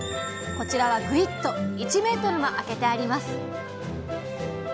こちらはグイッと１ｍもあけてあります。